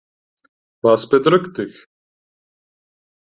Was bedrückt dich?